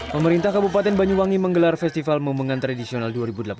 pemerintah kabupaten banyuwangi menggelar festival momen tradisional dua ribu delapan belas